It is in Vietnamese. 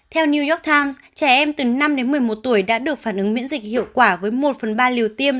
theo new york times trẻ em từ năm đến một mươi một tuổi đã được phản ứng miễn dịch hiệu quả với một phần ba liều tiêm